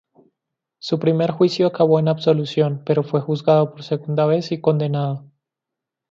Su primer juicio acabó en absolución, pero fue juzgado por segunda vez y condenado.